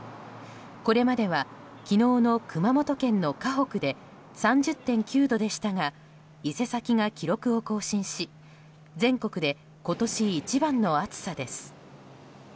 これまでは昨日の熊本県の鹿北で３０．９度でしたが伊勢崎が記録を更新し全国で今年一番の暑さです。